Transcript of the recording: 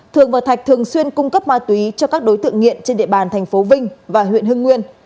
thường và thạch thường xuyên cung cấp ma túy cho các đối tượng nghiện trên địa bàn thành phố vinh và huyện hưng nguyên